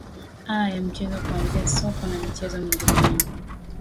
aa ya mchezo kuanzia soka na michezo mingineyo